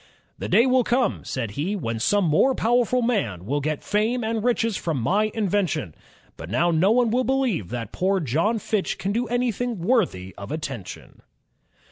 "The day will come," said he, "when some more powerful man will get fame and riches from my invention; but now no one will believe that poor John Fitch can do anything worthy of attention."